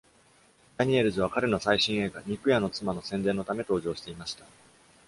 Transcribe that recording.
ダニエルズは、彼の最新映画「肉屋の妻」の宣伝のため登場していました。